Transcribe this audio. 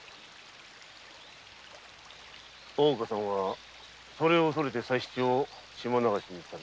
大岡さんはそれを恐れて佐七を島流しにした。